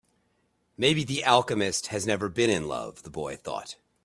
Maybe the alchemist has never been in love, the boy thought.